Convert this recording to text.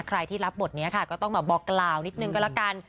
ใครที่รับบทนี้ค่ะก็ต้องมาบอกกล่าวนิดนึงก็แล้วกัน